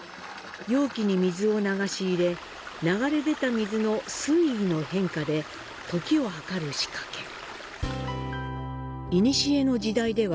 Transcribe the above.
容器に水を流し入れ、流れ出た水の水位の変化で時を測る仕掛け。